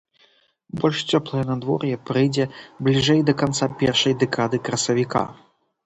Больш цёплае надвор'е прыйдзе бліжэй да канца першай дэкады красавіка.